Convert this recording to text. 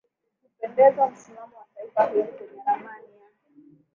kupendeza Msimamo wa taifa hili kwenye ramani ya